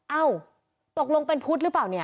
เอ้าตกลงเป็นพุทธหรือเปล่าเนี่ย